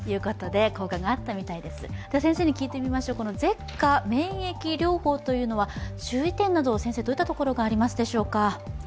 舌下免疫療法、注意点などどういったところがありますでしょうか？